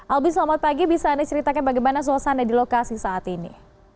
albi selamat pagi bisa anda ceritakan bagaimana suasana di lokasi saat ini